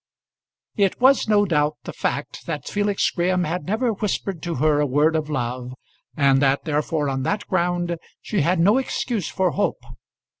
It was, no doubt, the fact that Felix Graham had never whispered to her a word of love, and that therefore, on that ground, she had no excuse for hope.